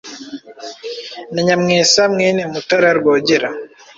na Nyamwesa mwene Mutara Rwogera.